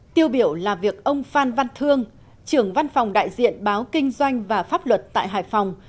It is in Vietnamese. tiêu biểu là việc ông phan văn thương trưởng văn phòng đại diện báo kinh doanh và pháp luật tại hải phòng